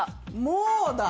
もうだ。